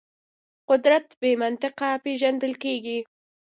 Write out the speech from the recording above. قدرت بې منطقه پېژندل کېږي.